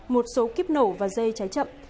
một số kíp nổ và dây trái chậm